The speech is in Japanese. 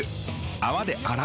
泡で洗う。